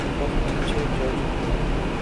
بس اچھے جج ہوں۔